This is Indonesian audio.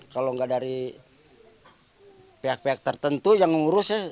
kalau nggak dari pihak pihak tertentu yang mengurusnya